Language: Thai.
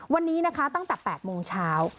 วันนี้นะคะตั้งแต่๘โมงเช้า